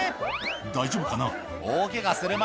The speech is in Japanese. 大丈夫かな。